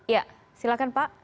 ya silakan pak